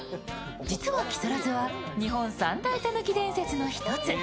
実は木更津は日本３大たぬき伝説の一つ。